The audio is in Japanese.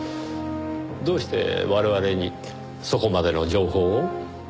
どうして我々にそこまでの情報を？